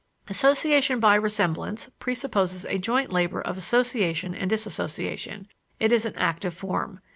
" Association by resemblance presupposes a joint labor of association and dissociation it is an active form.